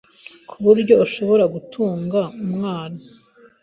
ku buryo ashobora gutunga umwana